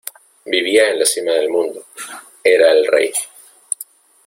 Vivía en la cima del mundo, era el rey